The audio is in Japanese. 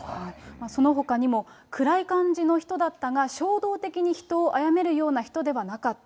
そのほかにも、暗い感じの人だったが、衝動的に人をあやめるような人ではなかった。